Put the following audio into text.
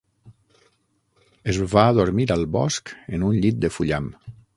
Es va adormir al bosc en un llit de fullam.